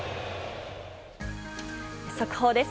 速報です。